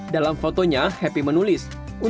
dalam fotonya happy menulis